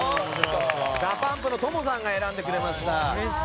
ＤＡＰＵＭＰのＴＯＭＯさんが選んでくれました。